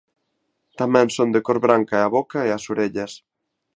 Tamén son de cor branca a boca e as orellas.